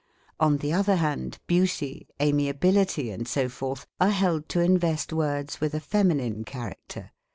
On the other hand, beauty, amiability, and so forth, are held to invest words with a feminine character.